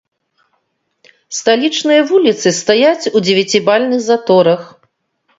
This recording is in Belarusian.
Сталічныя вуліцы стаяць у дзевяцібальных заторах.